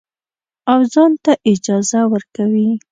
او ځان ته اجازه ورکوي.